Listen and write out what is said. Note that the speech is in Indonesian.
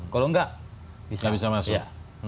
kalau enggak bisa